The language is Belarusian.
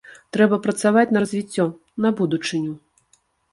Трэба працаваць на развіццё, на будучыню.